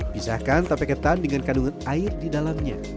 pisahkan tape ketan dengan kandungan air di dalamnya